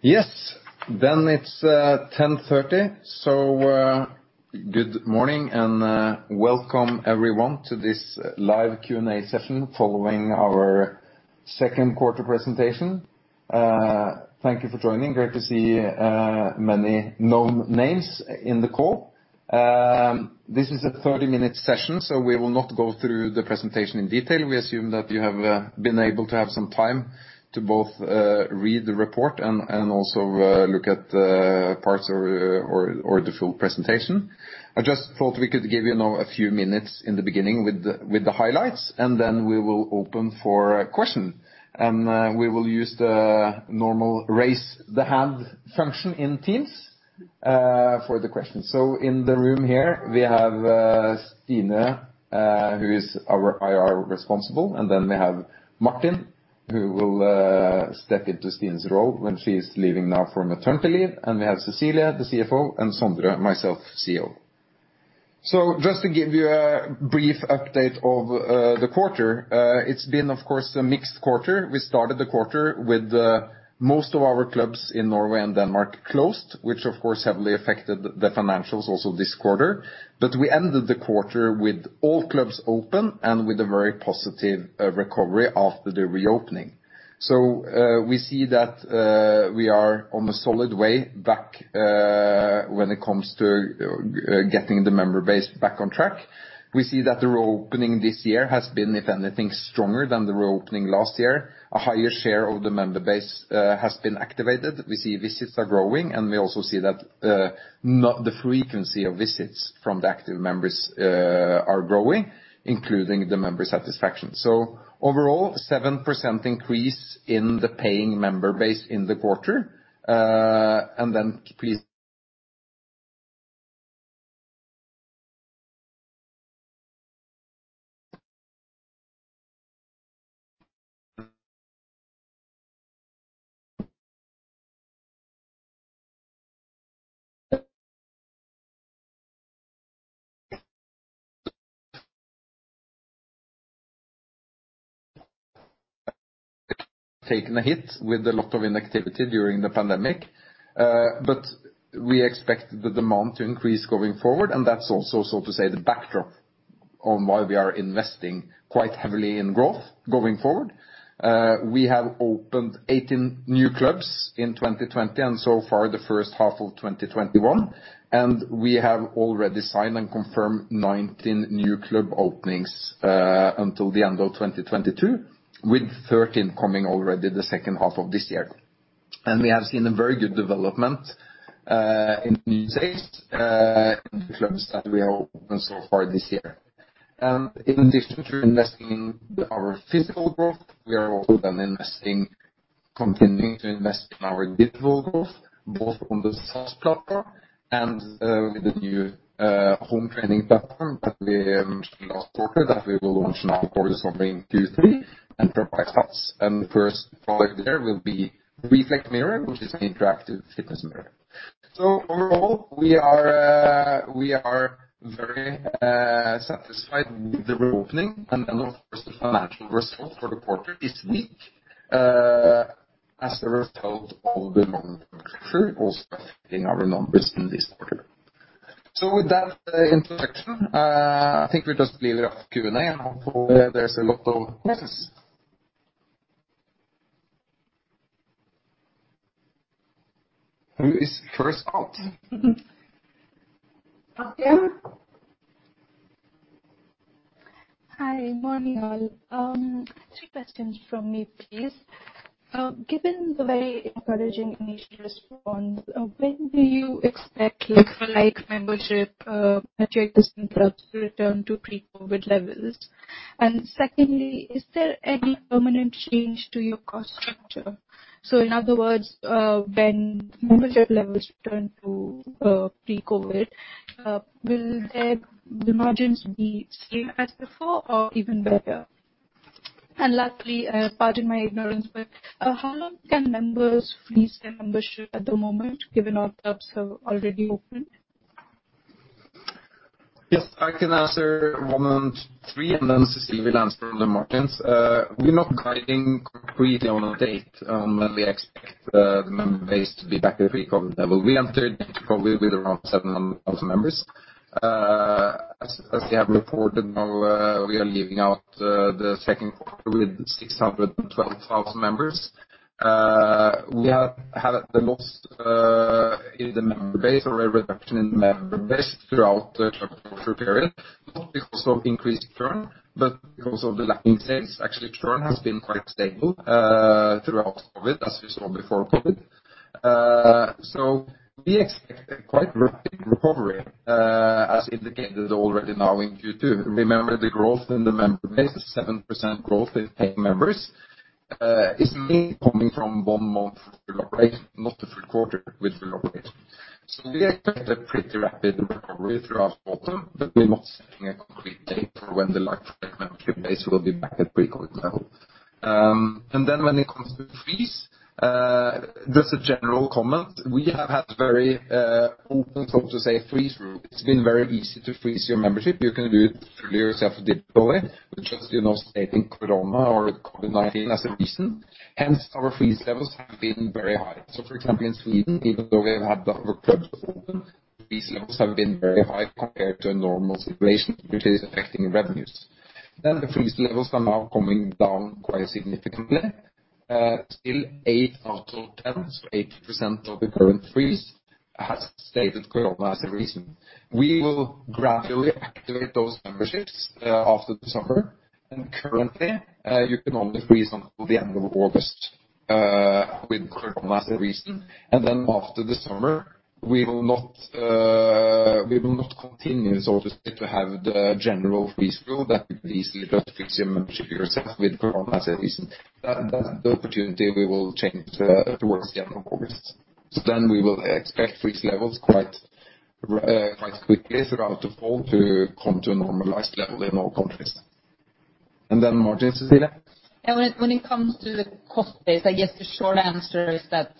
Yes. It's 10:30. Good morning and welcome everyone to this live Q&A session following our second quarter presentation. Thank you for joining. Great to see many known names in the call. This is a 30-minute session, we will not go through the presentation in detail. We assume that you have been able to have some time to both read the report and also look at the parts or the full presentation. I just thought we could give you a few minutes in the beginning with the highlights, and then we will open for questions. We will use the normal raise-hand function in Teams for the question. In the room here we have Stine, who is our IR responsible; we have Martin, who will step into Stine's role when she's leaving now for maternity leave, we have Cecilie, the CFO, and we have Sondre and me, the CEO. Just to give you a brief update of the quarter. It's been, of course, a mixed quarter. We started the quarter with most of our clubs in Norway and Denmark closed, which, of course, heavily affected the financials also this quarter. We ended the quarter with all clubs open and with a very positive recovery after the reopening. We see that we are on a solid way back when it comes to getting the member base back on track. We see that the reopening this year has been, if anything, stronger than the reopening last year. A higher share of the member base has been activated. We see visits are growing, and we also see that the frequency of visits from the active members is growing, including the member satisfaction. Overall, a 7% increase in the paying member base in the quarter. Taken a hit with a lot of inactivity during the pandemic, we expect the demand to increase going forward, and that's also, so to say, the backdrop on why we are investing quite heavily in growth going forward. We have opened 18 new clubs in 2020, and so far in the first half of 2021. We have already signed and confirmed 19 new club openings until the end of 2022, with 13 coming already in the second half of this year. We have seen a very good development in new sales in clubs that we have opened so far this year. In addition to investing in our physical growth, we are also continuing to invest in our digital growth, both on the SATS platform and with the new home training platform that we mentioned last quarter that we will launch now in Q3 and [inaudible] SATS. The first product there will be Rflex Mirror, which is an interactive fitness mirror. Overall, we are very satisfied with the reopening, and of course the financial result for the quarter is weak as a result of the long also affecting our numbers in this quarter. With that introduction, I think we just give you a Q&A and hopefully there are a lot of questions. Who is first up? Hi, good morning, all. Three questions from me, please. Given the very encouraging initial response, when do you expect like-for-like membership at your existing clubs to return to pre-COVID levels? Secondly, is there any permanent change to your cost structure? In other words, when membership levels return to pre-COVID, will the margins be the same as before or even better? Lastly, pardon my ignorance, but how long can members freeze their membership at the moment, given our clubs are already open? Yes, I can answer one and three, and then Cecilie will answer for the markets. We're not guiding completely on a date on when we expect the member base to be back at pre-COVID levels. We entered it probably with around 700,000 members. As we have reported now, we are leaving out the second quarter with 612,000 members. We have had a loss in the member base or a reduction in the member base throughout the 12-month period, not because of increased churn, but because of the lacking sales. Actually, churn has been quite stable throughout COVID, as we saw before COVID. We expect a quite rapid recovery, as indicated already now in Q2. Remember, the growth in the member base of 7% in paying members is mainly coming from one month of reopening, not the third quarter with reopening. We expect a pretty rapid recovery throughout autumn, but we're not setting a complete date for when the like-for-like member base will be back at pre-COVID levels. When it comes to freeze, just a general comment. We have had very open folks to say freeze. It's been very easy to freeze your membership. You can do it through your self-deployment, but just by stating corona or COVID-19 as a reason; hence, our freeze levels have been very high. For example, in Sweden, even though we have had over 50% open, freeze levels have been very high compared to a normal situation, which is affecting revenues. The freeze levels are now coming down quite significantly, still eight out of 10. 80% of the current freeze has cited corona as a reason. We will gradually activate those memberships after the summer. Currently, you can only freeze until the end of August with corona as a reason. After the summer, we will not continue as such to have the general freeze rule that you can easily just freeze your membership yourself with corona as a reason. The opportunity will change towards the end of August. We will expect freeze levels quite quickly throughout the fall to come to a normalized level in all countries. Cecilie? When it comes to the cost base, I guess the short answer is that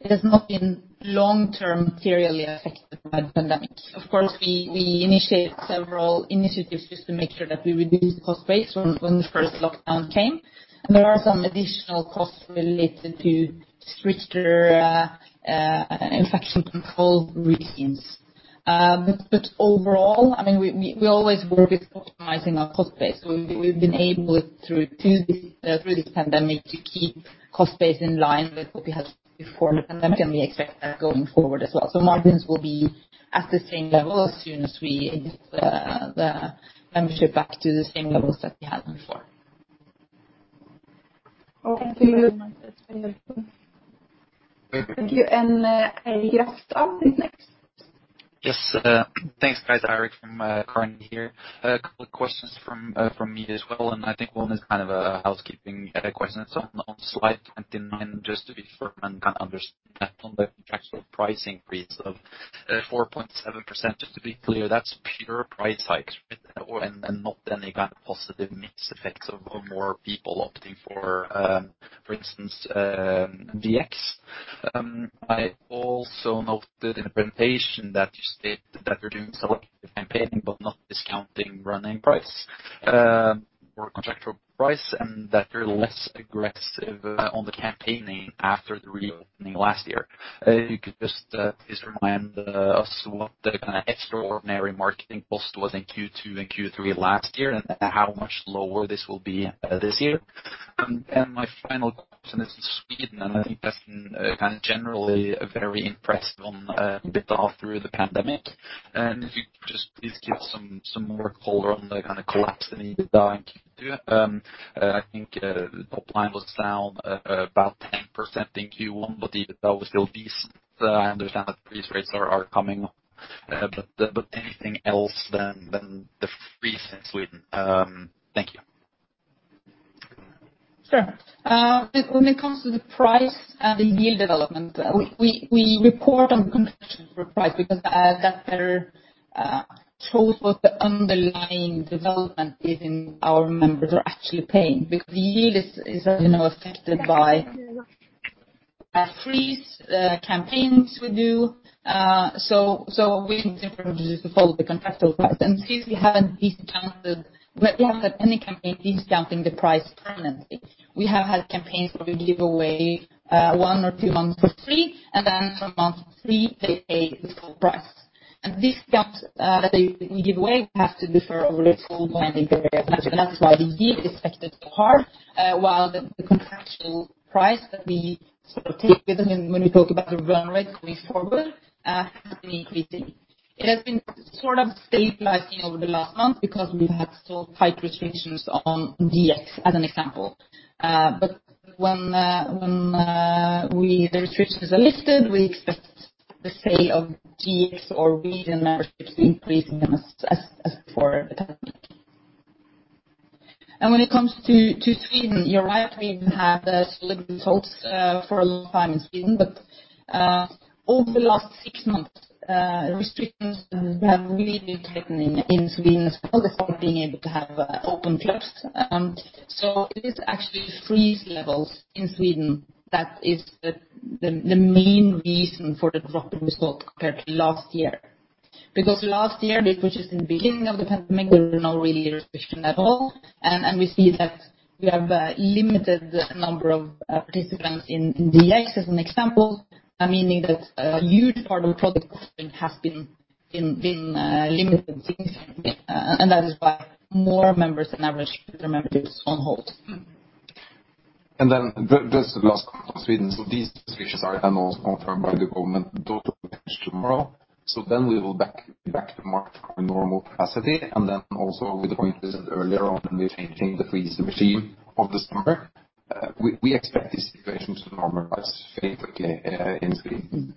it has not been long-term materially affected by the pandemic. Of course, we initiated several initiatives just to make sure that we reduced the cost base when the first lockdown came. There are some additional costs related to stricter infection control routines. Overall, we always work with optimizing our cost base. We've been able through this pandemic to keep the cost base in line with what we had before the pandemic, and we expect that going forward as well. Margins will be at the same level as soon as we get the membership back to the same levels that we had before. Okay. [inaudible] Thank you Yes, Tom is next. Yes, thanks, guys. Eirik from Carnegie here. A couple of questions from me as well, and I think one is a housekeeping question. On slide 29, just to confirm and understand that from the contractual pricing freeze of 4.7%, just to be clear, that's a pure price hike and not any kind of positive mix effects of more people opting, for instance, for GX. I also noted in the presentation that you stated that you're doing selective campaigning but not discounting running price or contractual price and that you're less aggressive on the campaigning after the reopening last year. Could you just please remind us what kind of extraordinary marketing cost there was in Q2 and Q3 last year and how much lower this will be this year? My final question is on Sweden. I think that's been kind of generally very impressive on the whole through the pandemic. Could you just please give some more color on the kind of collapse that you did see in Q2? I think the top line was down about 10% in Q1, but EBITDA was still decent. I understand that freeze rates are coming up. Anything else but the freeze in Sweden? Thank you. Sure. When it comes to the price and the yield development, we report on contractual price because that better shows what the underlying development is in our members are actually paying because the yield is, as you know, affected by freeze campaigns we do. We simply refer to the contractual price, and since we haven't discounted, we haven't had any campaign discounting the price permanently. We have had campaigns where we give away one or two months for free, and then from month three, they pay the full price. Discounts that we give away have to be for over 12 months, and that's why the yield is affected hard, while the contractual price that we take, when we talk about year-over-year, going forward, has been increasing. It has been sort of stabilizing over the last month because we've had tight restrictions on GX as an example. When the restrictions are lifted, we expect the sale of GX or regional memberships to increase as before the pandemic. When it comes to Sweden, you're right, we even had selective hopes for a long time in Sweden. Over the last six months, restrictions have really been tightening in Sweden as well. They're starting even to have open clubs. It is actually freezing levels in Sweden that are the main reason for the drop that we saw compared to last year. Last year, which was in the beginning of the pandemic, there were no real restrictions at all, and we see that we have a limited number of participants in GX as an example, meaning that a huge part of the product offering has been limited significantly, and that is why more members on average put their memberships on hold. That's the last part about Sweden. These restrictions are announced long-term by the government. Don't open until tomorrow. We will be back to the market with normal capacity. With the point you said earlier on when we are changing the freeze regime over the summer, we expect the situation to normalize fairly quickly in Sweden.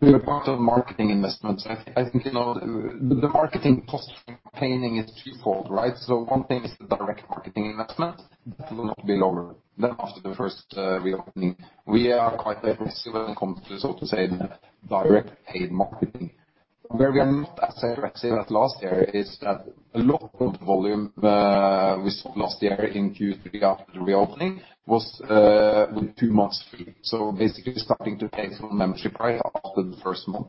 Your part on marketing investments—I think the marketing cost campaigning is twofold, right? One thing is the direct marketing investment. That will not be lower than after the first reopening. We are quite aggressive and comfortable saying so in direct paid marketing. Where we are now, let's say that last year, a lot of volume we saw in Q3 after the reopening was with two months free. Basically starting to pay for the membership right after the first month.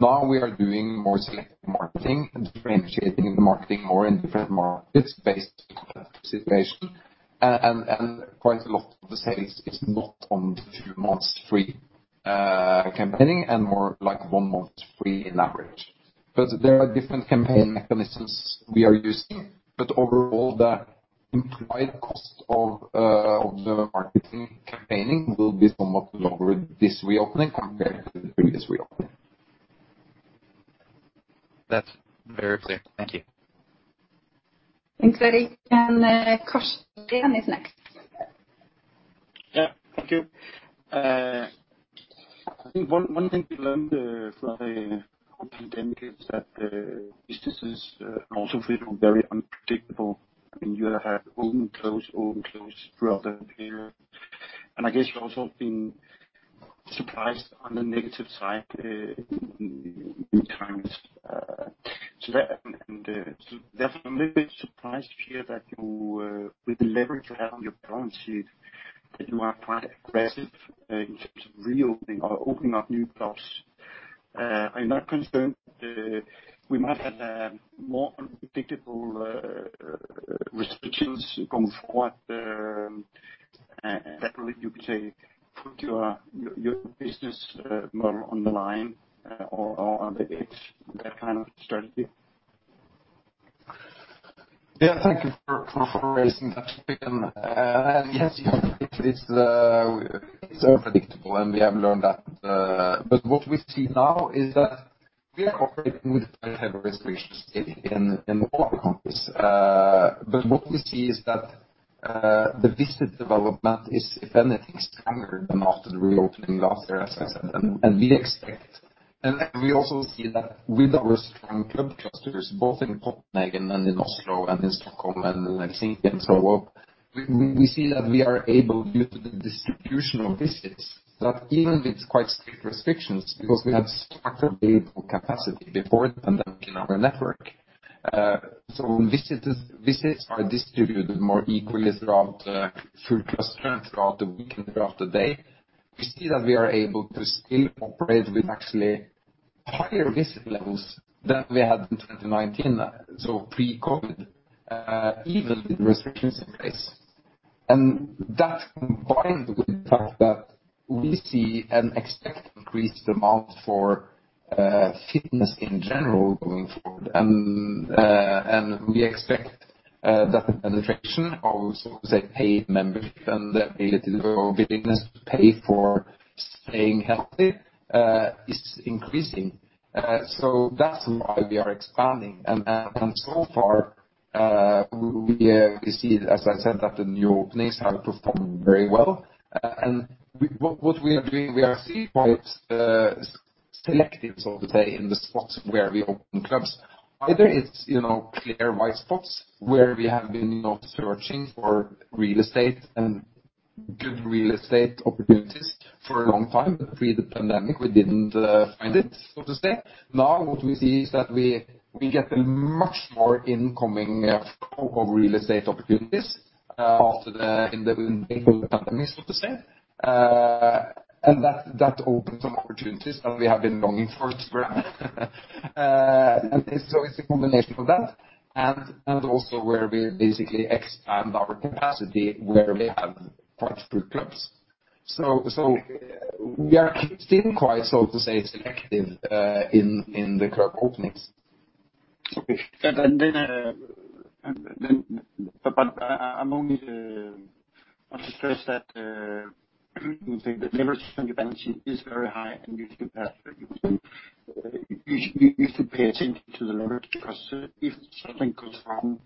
Now we are doing more selective marketing and differentiating the marketing more in different markets based on the situation. Quite a lot of the sales are not on the two months free campaigning and more like one month free on average. There are different campaign mechanisms we are using. Overall the implied cost of the marketing campaigning will be somewhat lower this reopening compared to the previous reopening. That's very clear. Thank you. Thanks very much. Christian is next. Yeah. Thank you. I think one thing we learned from the pandemic is that businesses and also people are very unpredictable, and you have to open, close, open, and close for other periods. I guess you've also been surprised on the negative side. Definitely surprised to hear that you, with the leverage you have on your balance sheet, are quite aggressive in terms of reopening or opening up new clubs. Are you not concerned that we might have more unpredictable restrictions going forward that would, you could say, put your business model on the line or on the edge from that kind of strategy? Yeah, thank you for raising that topic. Yes, it is unpredictable, and we have learned that. What we see now is that we are operating with tighter restrictions still in all our countries. What we see is that the visit development is, if anything, stronger than after the reopening last year, as I said we expect. We also see that with our strong club clusters, both in Copenhagen and in Oslo and in Stockholm and in Helsinki and so on, we see that we are able, due to the distribution of visits, even with quite strict restrictions, because we have scattered behavioral capacity before the pandemic in our network. Visits are distributed more equally throughout through clusters, throughout the week, and throughout the day. We see that we are able to still operate with actually higher visit levels than we had in 2019, so pre-COVID, even with restrictions in place. That combined with the fact that we see an expected increased demand for fitness in general going forward, and we expect that the penetration of, so to say, paid membership and the willingness to pay for staying healthy are increasing. That's why we are expanding. So far, we see, as I said, that the new openings have performed very well. What we are doing, we are being quite selective, so to say, in the spots where we open clubs. Either it's clear white spots where we have not been searching for real estate and good real estate opportunities for a long time, pre-pandemic; we didn't find it, so to say. Now what we see is that we get a much larger incoming flow of real estate opportunities in the wake of the pandemic, so to say. That opens up opportunities that we have been longing for to grow. It's a combination of that and also where we basically expand our capacity where we have quite good clubs. We are still quite, so to say, selective in the club openings. Okay. I'm only stressing that you think the leverage on your balance sheet is very high and you think that you should pay attention to the leverage because if something goes wrong,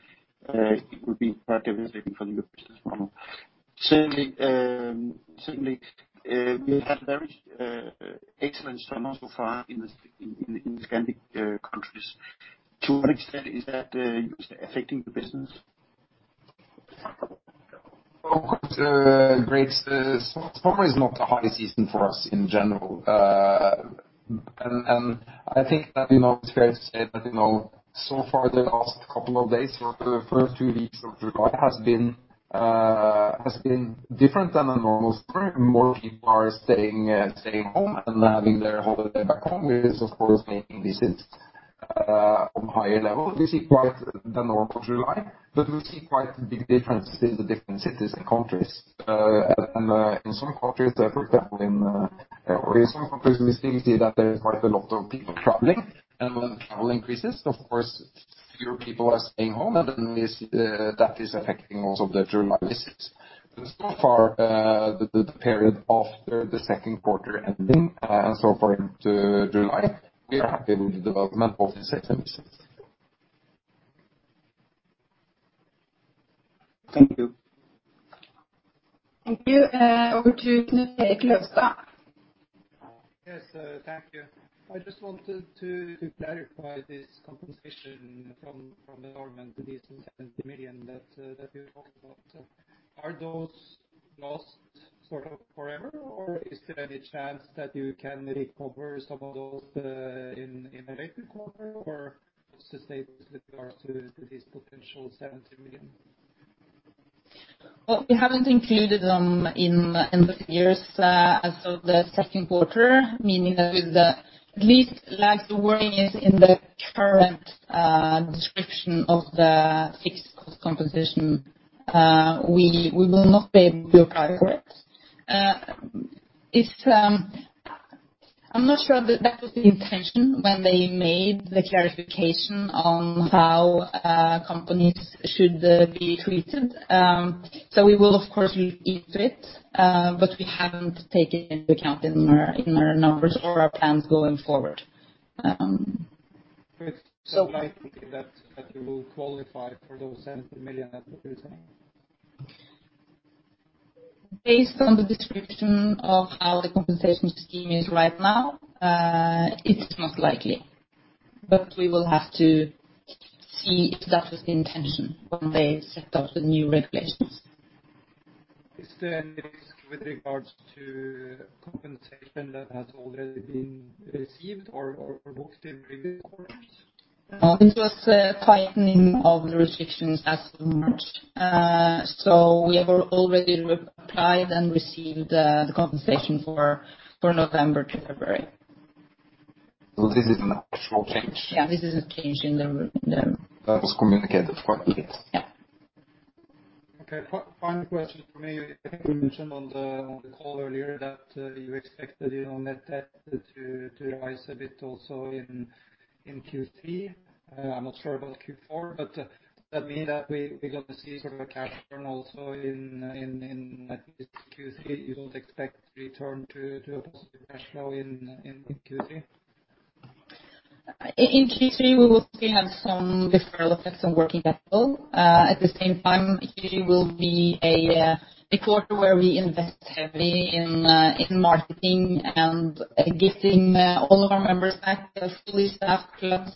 it would be quite devastating for your business model. Certainly, we have had a very excellent summer so far in the Scandinavian countries. To what extent is that affecting the business? Well, of course, summer is not the high season for us in general. I think that it's fair to say that so far the last couple of days or the first two weeks of July have been different than a normal summer. More people are staying home and having their holiday back home, and this, of course, is making visits at higher levels. We see quite the normal July, but we see quite a big difference in the different cities and countries. In some countries, for example, in Norway, we still see that there are quite a lot of people traveling. When travel increases, of course, fewer people are staying home, and that is affecting also the July visits. So far, in the period after the second quarter ending so far into July, we are happy with the development of the systems. Thank you. Thank you. Over to you, [inaudible] Yes. Thank you. I just wanted to clarify this composition from the normal visits and the. [inaudible] Are those lost forever, or is there any chance that you can recover some of those in the next quarter, or, say, with regard to this potential 70 million? Well, we haven't included them in the years as of the second quarter, meaning that at least the way it is in the current description of the fixed-cost compensation, we will not be able to apply for it. I'm not sure that was the intention when they made the clarification on how companies should be treated. We will of course look into it, but we haven't taken it into account in our numbers or our plans going forward. It's unlikely that you will qualify for those 70 million that you were saying? Based on the description of how the compensation scheme is right now, it's not likely, but we will have to see if that is the intention when they set up the new regulations. Are there risks with regard to compensation that has already been received or booked in previous quarters? No, this was a tightening of restrictions as of March. We have already applied and received compensation for November to February. This is an actual change? Yeah, this is a change in the. That was communicated for eight weeks. Yeah. Okay, one question for me. I think you mentioned on the call earlier that you expect the net debt to rise a bit also in Q3. I'm not sure about Q4. Does that mean that we're going to see some cash burn also in Q3? You don't expect to return to a positive cash flow in Q3? In Q3, we will still have some deferral effects on working capital. At the same time, Q3 will be a quarter where we invest heavily in marketing and getting all of our members active who are in our clubs.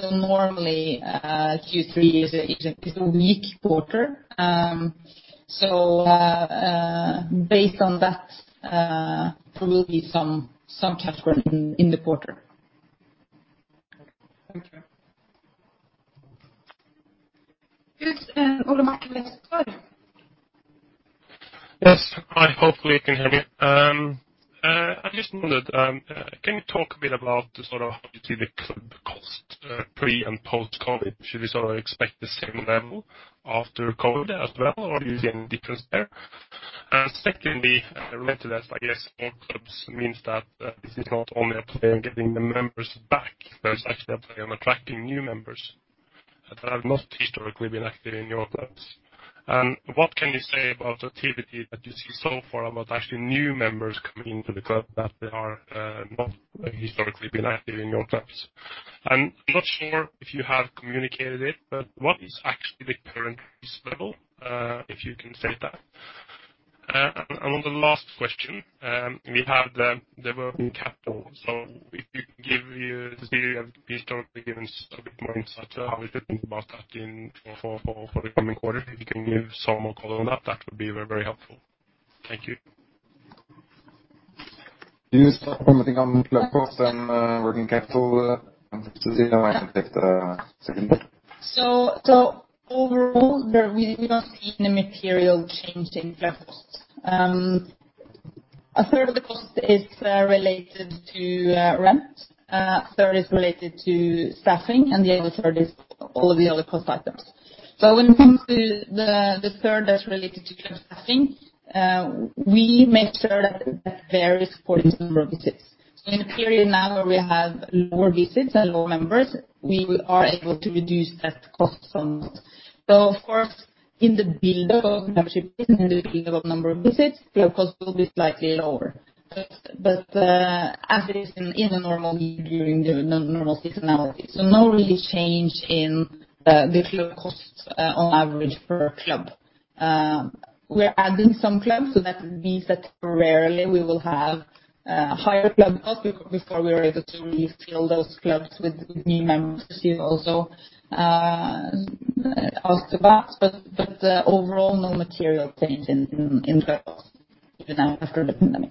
Normally, Q3 is a weak quarter. Based on that, there will be some cash burn in the quarter. Okay. Yes, [inaudible] Yes. Hi, hopefully you can hear me. I just wondered, can you talk a bit about the sort of how you see the club costs pre- and post-COVID? Should we sort of expect the same level after COVID as well, or are you seeing a difference there? Secondly, related to that, I guess all clubs means that this is not only a play on getting the members back, but it's actually a play on attracting new members that have not historically been active in your clubs. What can you say about the activity that you see so far about actually new members coming into the club that have not historically been active in your clubs? I'm not sure if you have communicated it, but what is actually the current increase level, if you can say that? On the last question, we have the working capital. If you could give the history of historically, given some insight into how we think about that for the coming quarter? If you can give some color on that, it would be very helpful. Thank you. Can you start commenting on the club cost and working capital, Cecilie? I take the second bit. Overall, we're not seeing a material change in club cost. A third of the cost is related to rent, a third is related to staffing. The other third is all the other cost aspects. When it comes to the third that's related to staffing, we make sure that it varies according to the number of visits. In a period now where we have lower visits and low members, so we are able to reduce that cost somewhat. Of course, in the build-up number of visits, club cost will be slightly lower, as it is in a normal year during the normal seasonality. No real change in the club costs on average per club. We are adding some clubs. That means that temporarily we will have higher club costs before we are able to really fill those clubs with new members who also ask for that. Overall, no material change in club cost in that regard.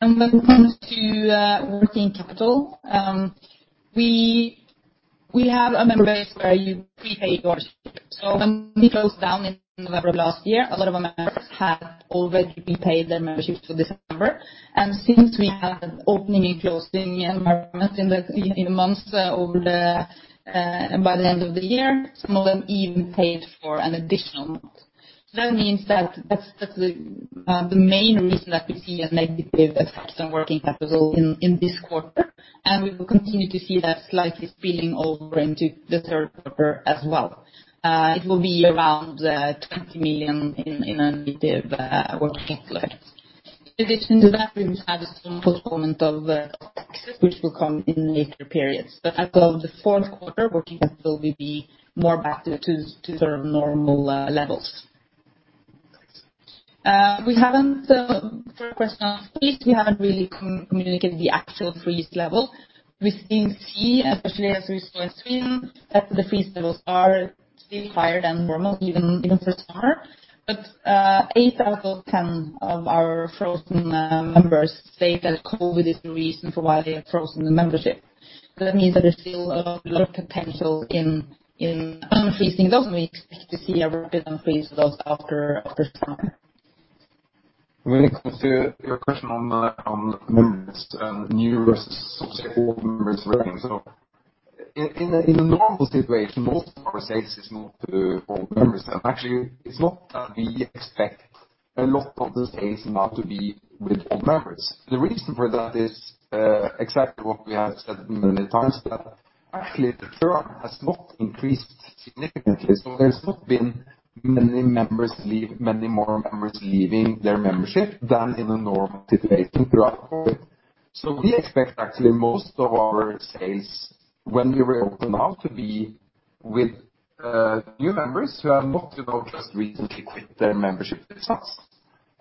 When it comes to working capital, we have a member base where you prepay your membership. When we closed down in November last year, a lot of our members had already paid their membership through December, and since we had opening and closing in the months by the end of the year, some of them even paid for an additional month. That means that's the main reason that we see negative cash and working capital in this quarter, and we will continue to see that slightly spilling over into the third quarter as well. It will be around 20 million in negative working capital. In addition to that, we have a component of taxes that will come in later periods. As of the fourth quarter, working capital will be more back to sort of normal levels. We haven't. For a question of if we haven't really communicated the actual freeze level, we still see, especially as we [restore] Sweden, that the freeze levels are still higher than normal, even into the summer. Eight out of 10 of our frozen members say that COVID is the reason for why they have frozen the membership. That means that there's still a lot of potential in unfreezing. Doesn't mean we expect to see a record increase after this summer. When it comes to your question on members, new versus old members are for them. In a normal situation, most of our sales are not to old members. Actually, it's not that we expect a lot of the sales now to be with old members. The reason for that is exactly what we have said many times, that actually the churn has not increased significantly. There haven't been many more members leaving their membership than in a normal situation throughout COVID. We expect, actually, most of our sales when we reopen now to be with new members who have not at all just recently quit their membership with us.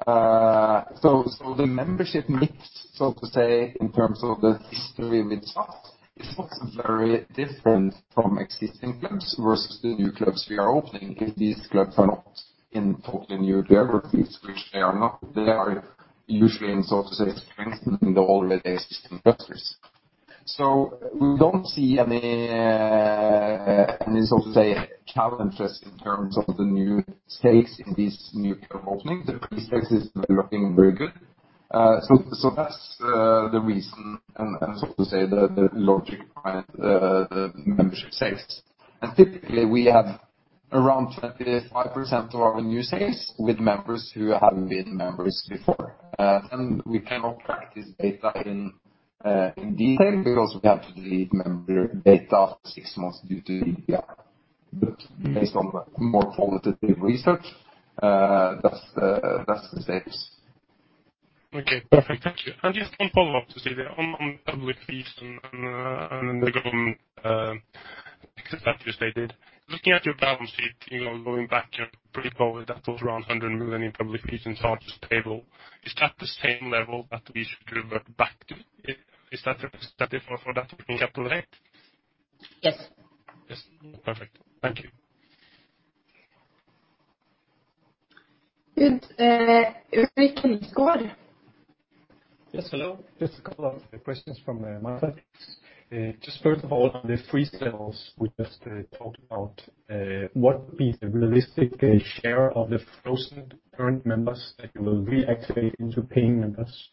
The membership mix, so to say, in terms of the history with us, is not very different from existing clubs versus the new clubs we are opening because these clubs are not in totally new geographies, which they are not. They are usually, sort of say, expanding in the already existing countries. We don't see any, sort of say, challenges in terms of the new sales in these new openings. The pre-sales are looking very good. That's the reason and, sort of, the logic behind the membership sales. Typically we have around 25% of our new sales with members who haven't been members before. We cannot track this data in detail. We also have to delete member data after six months due to GDPR. Based on more qualitative research, that's the sales. Okay, perfect. Thank you. Just one follow-up to say that on public fees and the government, because as you stated, looking at your balance sheet going back pretty far, that was around 100 million in public fees and charges payable. Is that the same level that we should revert back to? Is that representative of what we can calculate? Yes. Yes. Perfect. Thank you. Rick, go on. Yes, hello. Just a couple of questions from my side. First of all, on the pre-sales we just talked about, what would be the realistic share of the frozen current members that you would reactivate into paying members?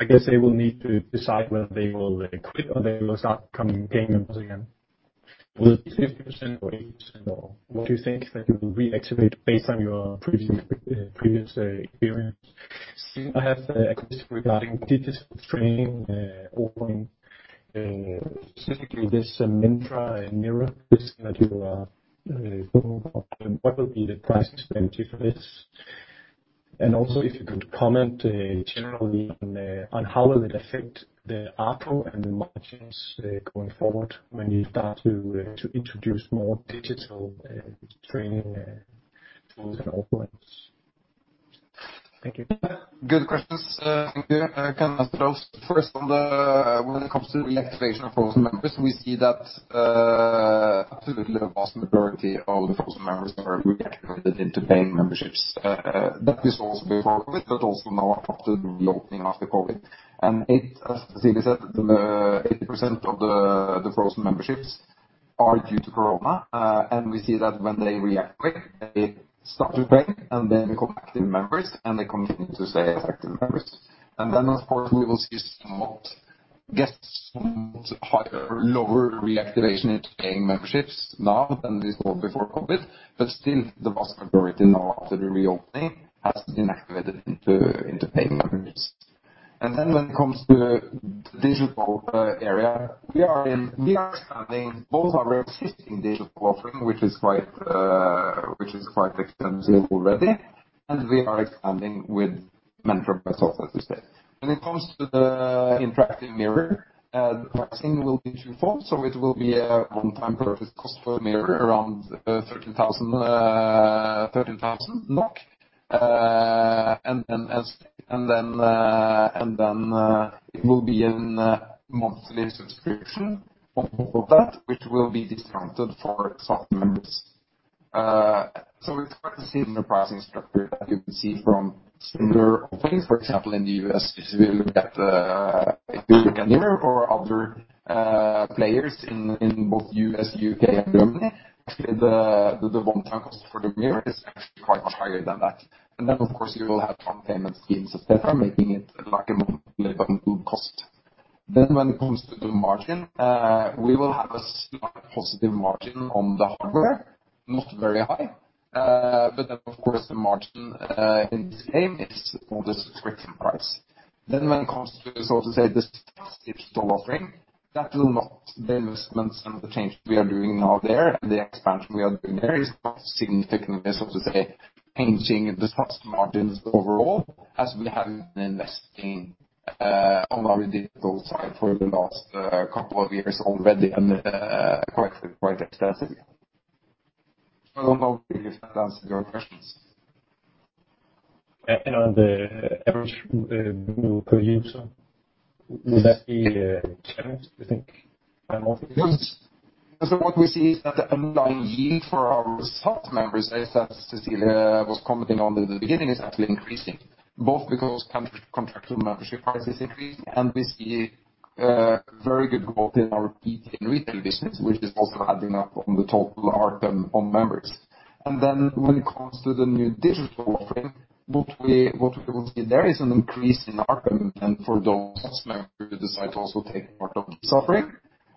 I guess they will need to decide whether they will quit or they will start becoming paying members again. Will it be 50% or 80% or what do you think that you will reactivate based on your previous experience? Second, I have a question regarding digital training opening, specifically this Mentra mirror that you are going for, and what will be the pricing benefit of it? Also, if you could comment generally on how it will affect the ARPM and the margins going forward when you start to introduce more digital training tools and offerings. Thank you. Good questions. I can answer those. First, when it comes to reactivation of frozen members, we see that absolutely the vast majority of the frozen members are reactivated into paying memberships. Also, now after the reopening after COVID-19. As Cecilie said, 80% of the frozen memberships are due to corona, we see that when they reactivate, they start to pay, and then they become active members, and they continue to stay active members. Of course, we will see some not get some higher or lower reactivation into paying memberships now than before COVID. Still, the vast majority now, after the reopening, have been activated into paying members. When it comes to the digital area, we are expanding both our existing digital offering, which is quite extensive already, and Mentra, as Cecilie said. When it comes to the interactive mirror, the pricing will be two-fold. It will be a one-time purchase cost per mirror around NOK 13,000. It will be a monthly subscription on top of that, which will be discounted for SATS members. We expect a similar pricing structure that you will see from similar offerings, for example, in the U.S. if you look at Mirror or other players in the U.S., the U.K., and Germany. Actually, the one-time cost for the mirror is actually much higher than that. Of course, you will have top payment schemes that are making it like a monthly bundled cost. When it comes to the margin, we will have a slight positive margin on the hardware, not very high. Of course, the margin in detail is on the subscription price. When it comes to, so to say, the SATS digital offering, the investments and the change we are doing now there and the expansion we are doing there are not significantly, so to say, changing the SATS margins overall, as we have been investing in our digital side for the last couple of years already and quite extensively. I don't know if i have answered your questions. Average Revenue Per Member, is that still challenging, do you think? What we see is that the monthly yield for our SATS members, as Cecilie was commenting on in the beginning, is actually increasing, both because the contractual membership price is increasing and we see very good growth in our retail business, which is also adding up to the total ARPM on members. When it comes to the new digital offering, what we will see there is an increase in ARPM for those members who decide also to take part in this offering.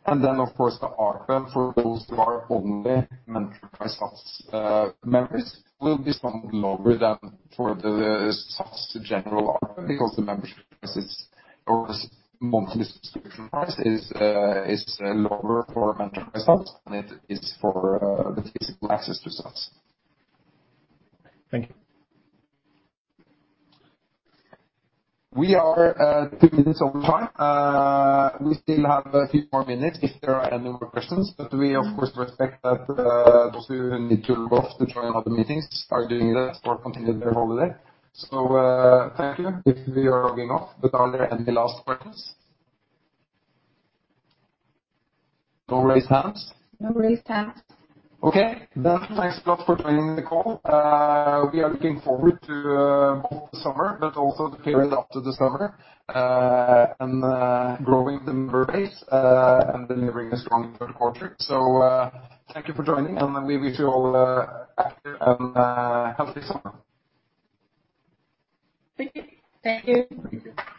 Of course, the ARPM for those who are only membership SATS members will be somewhat lower than for the SATS general ARPM because the membership price is or the monthly subscription price is lower for membership SATS than it is for the physical access to SATS. Thank you. We are two minutes over time. We still have a few more minutes if there are any more questions. We of course respect that those who need to rush to join other meetings are doing that or continuing their holiday. Thank you. If we are going off, are there any last questions? No raised hands? No raised hands. Okay. Thanks a lot for joining the call. We are looking forward to not only the summer but also the period after the summer and growing the member base and delivering a strong third quarter. Thank you for joining, we wish you all the best and have a great summer. Thank you. Thank you.